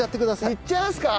いっちゃいますか？